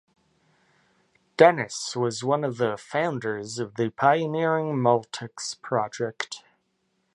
Dennis was one of the founders of the pioneering Multics project.